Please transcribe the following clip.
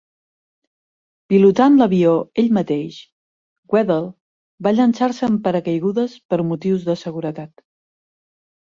Pilotant l'avió ell mateix, Wedell va llançar-se amb paracaigudes per motius de seguretat.